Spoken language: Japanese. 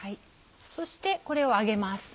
そしてこれを揚げます。